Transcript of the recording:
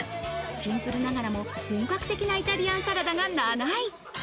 シンプルながらも本格的なイタリアンサラダが７位。